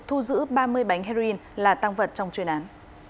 thu giữ ba mươi bánh heroin là tăng vật trong chuyên án